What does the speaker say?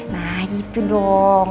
nah gitu dong